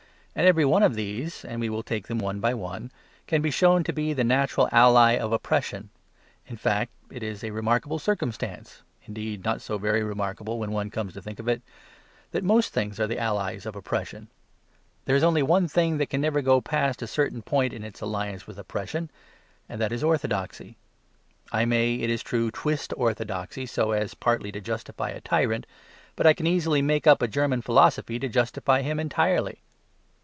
And every one of these (and we will take them one by one) can be shown to be the natural ally of oppression. In fact, it is a remarkable circumstance (indeed not so very remarkable when one comes to think of it) that most things are the allies of oppression. There is only one thing that can never go past a certain point in its alliance with oppression and that is orthodoxy. I may, it is true, twist orthodoxy so as partly to justify a tyrant. But I can easily make up a German philosophy to justify him entirely.